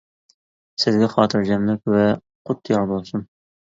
سىزگە خاتىرجەملىك ۋە قۇت يار بولسۇن!